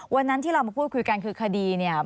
วันนั้นที่เรามาพูดคุยกันคือคดีเนี่ย